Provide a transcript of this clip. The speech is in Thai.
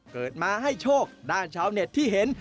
เกิดมาให้โชคด้านชาวเน็ตที่เห็น